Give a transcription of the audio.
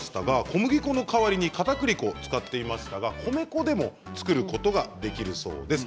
小麦粉の代わりにかたくり粉を使っていましたが、米粉でも作ることができるそうです。